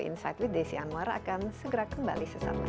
inside with desi anwar akan segera kembali sesat lagi